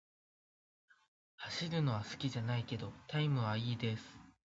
走るのは好きじゃないけど、タイムは良いです。